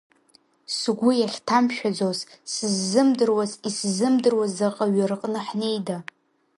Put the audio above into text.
Сгәы иахьҭамшәаӡоз, сыззымдыруаз, исзымдыруаз заҟаҩы рҟны ҳнеида.